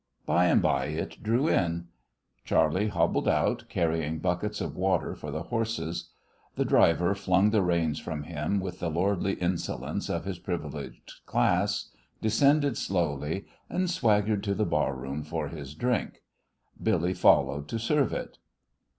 By and by it drew in. Charley hobbled out, carrying buckets of water for the horses. The driver flung the reins from him with the lordly insolence of his privileged class, descended slowly, and swaggered to the bar room for his drink. Billy followed to serve it.